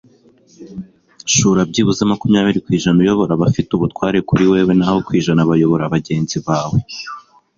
shora byibuze makumyabiri ku ijana uyobora abafite ubutware kuri wewe naho ku ijana bayobora bagenzi bawe